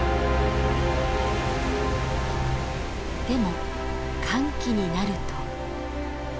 でも乾季になると。